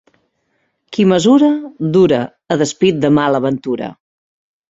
Qui mesura, dura, a despit de mala ventura.